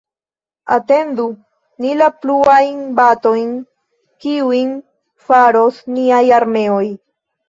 Atendu ni la pluajn batojn, kiujn faros niaj armeoj.